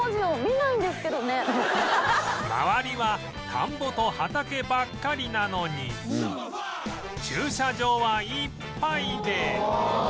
周りは田んぼと畑ばっかりなのに駐車場はいっぱいで